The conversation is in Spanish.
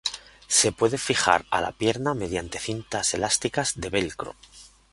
Se puede fijar a la pierna mediante cintas elásticas de velcro.